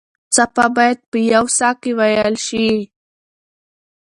څپه باید په یوه ساه کې وېل شي.